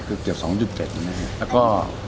คือเกือบ๒๗นะครับแล้วก็